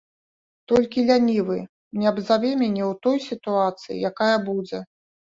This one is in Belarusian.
Толькі лянівы не абзаве мяне ў той сітуацыі, якая будзе.